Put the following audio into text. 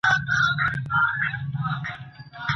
د نارینه وو کالي رنګارنګ نه وي.